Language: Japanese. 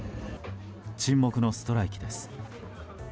沈黙のストライキです。